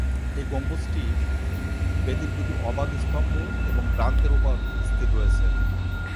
এর গম্বুজটি বেদীর দুটি অবাধ স্তম্ভ এবং প্রান্তের উপর স্থির রয়েছে।